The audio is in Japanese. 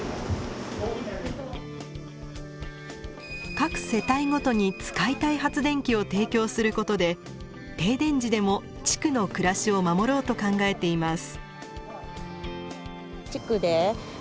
各世帯ごとに使いたい発電機を提供することで停電時でも地区の暮らしを守ろうと考えています。